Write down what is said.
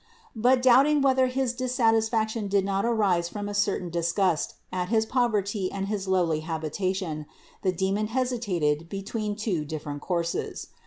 But doubting whether his dis satisfaction did not arise from a certain disgust at his poverty and his lowly habitation, the demon hesitated be tween two different courses.